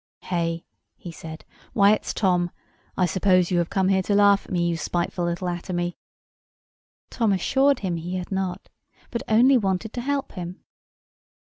"Hey!" he said, "why, it's Tom! I suppose you have come here to laugh at me, you spiteful little atomy?" Tom assured him he had not, but only wanted to help him.